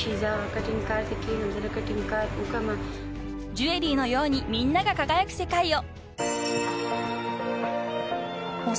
［ジュエリーのようにみんなが輝く世界を］